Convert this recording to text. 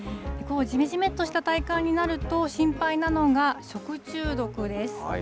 じめじめっとした体感になると、心配なのが食中毒です。